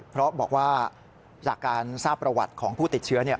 เพราะบอกว่าจากการทราบประวัติของผู้ติดเชื้อ